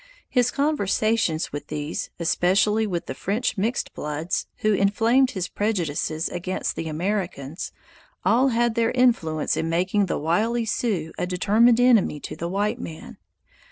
His conversations with these, especially with the French mixed bloods, who inflamed his prejudices against the Americans, all had their influence in making of the wily Sioux a determined enemy to the white man.